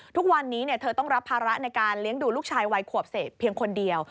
ทุกวันนี้เธอต้องรับภาระในการเลี้ยงดูลูกชายวัยขวบเศษเพียงคนเดียว